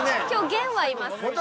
今日源はいます。